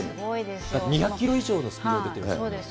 ２００キロ以上のスピード出そうです。